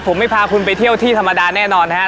ผมไม่พาคุณไปเที่ยวที่ธรรมดาแน่นอนนะครับ